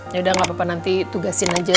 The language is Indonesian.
yaudah gak apa apa nanti tugasin aja